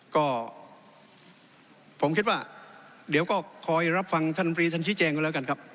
ก็ผมคิดว่าเดี๋ยวก็คอยรับฟังท่านปรีท่านชี้แจงกันแล้วกันครับ